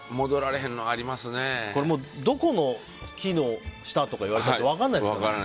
どこの木の下とか言われたって分からないですからね。